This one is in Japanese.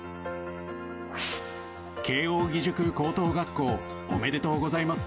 慶應義塾高等学校おめでとうございます！